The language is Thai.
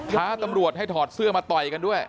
ท้าตำรวจให้ถอดเสื้อมาต่อยกันด้วย